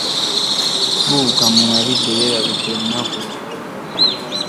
Zirbbuka mu mabidde y'erabidde enkenku .